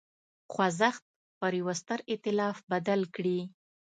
خوځښت پر یوه ستر اېتلاف بدل کړي.